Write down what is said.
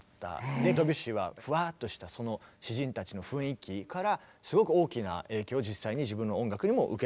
でドビュッシーはフワッとしたその詩人たちの雰囲気からすごく大きな影響を実際に自分の音楽にも受けた。